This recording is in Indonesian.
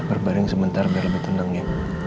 berbaring sebentar biar lebih tenang ya